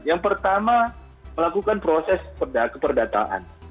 yang pertama melakukan proses keperdataan